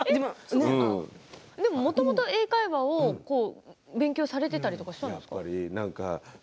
もともと英会話、勉強されていたりしたんですか。